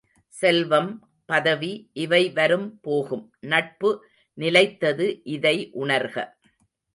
செல்வம், பதவி இவை வரும் போகும் நட்பு நிலைத்தது இதை உணர்க.